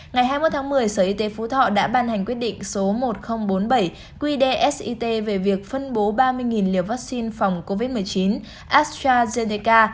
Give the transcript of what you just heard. ngày hai mươi một tháng một mươi sở y tế phú thọ đã ban hành quyết định số một nghìn bốn mươi bảy qdit về việc phân bố ba mươi liều vaccine phòng covid một mươi chín astrazeneca